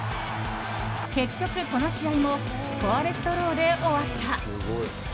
結局、この試合もスコアレスドローで終わった。